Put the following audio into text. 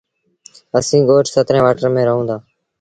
اسيٚݩ ڳوٺ سترين وآٽر ميݩ رهوݩ دآ